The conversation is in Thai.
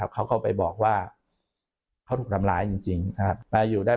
เขาก็ไปบอกว่าเขาถูกทำร้ายจริงนะครับ